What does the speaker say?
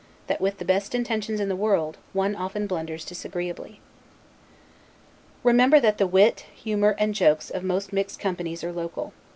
that, with the best intentions in the world, one often blunders disagreeably. Remember that the wit, humor, and jokes, of most mixed companies are local.